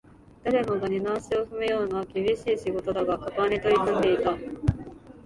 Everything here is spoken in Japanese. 誰もが二の足を踏むような厳しい仕事だが、果敢に取り組んでいた